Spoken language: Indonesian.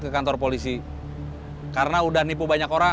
ga tau armor club ngomong apa butuh minyak keret